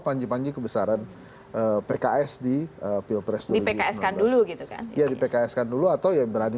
panji panji kebesaran pks di pilpres di pks kan dulu gitu kan ya di pks kan dulu atau yang berani